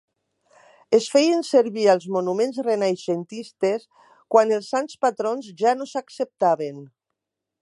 Es feien servir als monuments renaixentistes quan els sants patrons ja no s'acceptaven.